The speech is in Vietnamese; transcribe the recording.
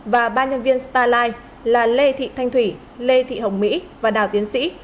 và ba nhân viên starlight là lê thị thanh thủy lê thị hồng mỹ và đào tiến sĩ